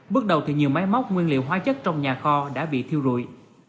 bước đầu thì nhiều máy móc nguyên liệu hóa chất trong nhà kho đã bị thiêu rụi